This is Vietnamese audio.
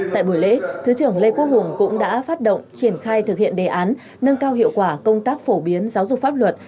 tại buổi lễ thứ trưởng lê quốc hùng cũng đã phát động triển khai thực hiện đề án nâng cao hiệu quả công tác phổ biến giáo dục pháp luật